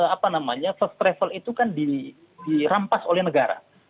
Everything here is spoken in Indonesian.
apa namanya first travel itu kan dirampas oleh negara